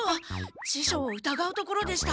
ししょうをうたがうところでした。